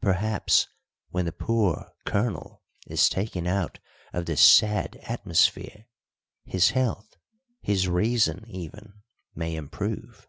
Perhaps when the poor Colonel is taken out of this sad atmosphere, his health, his reason even, may improve."